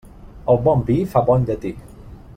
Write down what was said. El bon vi fa bon llatí.